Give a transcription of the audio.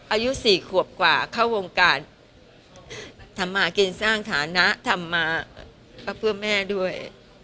อายุ๔ขวบกว่าเข้าวงการทำมากินสร้างฐานะทำมาก็เพื่อแม่ด้วย